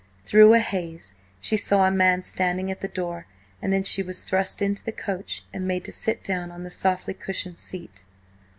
Through a haze she saw a man standing at the door, and then she was thrust into the coach and made to sit down on the softly cushioned seat.